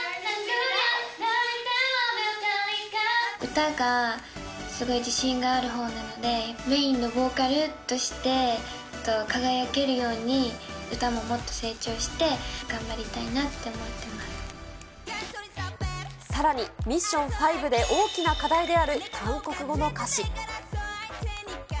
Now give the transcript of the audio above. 歌がすごい自信があるほうなので、メインのボーカルとして輝けるように、歌ももっと成長して、さらに、ミッション５で大きな課題である、韓国語の歌詞。